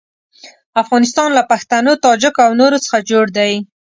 افغانستان له پښتنو، تاجکو او نورو څخه جوړ دی.